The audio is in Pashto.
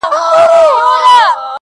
o وږي ته ماښام ليري دئ!